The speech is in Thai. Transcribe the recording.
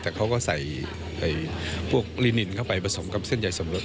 แต่เขาก็ใส่พวกลินินเข้าไปผสมกับเส้นใหญ่สมรส